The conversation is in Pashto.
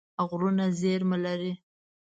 غرونه زیرمه لري.